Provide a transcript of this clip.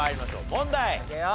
問題。